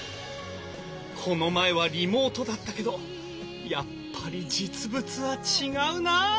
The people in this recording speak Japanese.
この前はリモートだったけどやっぱり実物は違うなぁ。